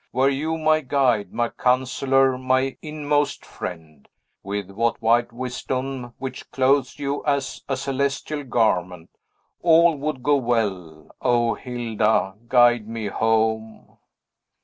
Were you my guide, my counsellor, my inmost friend, with that white wisdom which clothes you as a celestial garment, all would go well. O Hilda, guide me home!"